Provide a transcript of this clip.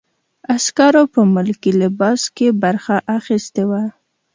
عسکرو په ملکي لباس کې برخه اخیستې وه.